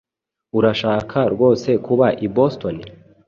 Urashaka rwose kuba i Boston?